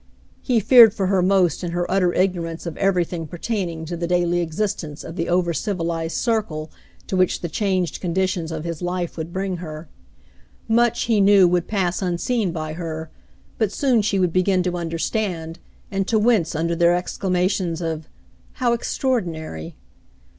He feared for her most in her utter ignorance of everything pertaining to the daily existence of the over civilized circle to which the changed conditions of his life would bring her. £26 The Mountain Girl Much, he knew, would pass unseen by her, but soon she would begin to understand, and to wince under their exclamations of "How extraordinary!"